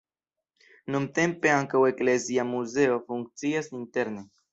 Nuntempe ankaŭ eklezia muzeo funkcias interne.